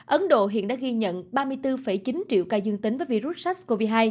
ấn độ hiện đã ghi nhận ba mươi bốn chín triệu ca dương tính với virus sars cov hai